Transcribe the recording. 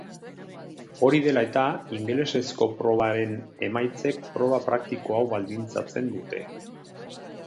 Hori dela eta, ingelesezko probaren emaitzek proba praktiko hau baldintzatzen dute.